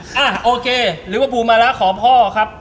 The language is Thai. หรือว่าปูมาแล้วขอพ่อครับ